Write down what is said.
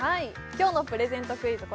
今日のプレゼントクイズ